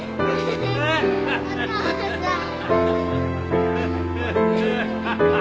お父さん。